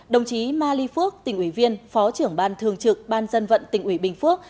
đồng chí ma ly phước tỉnh ủy viên phó trưởng ban thường trực ban dân vận tỉnh ủy bình phước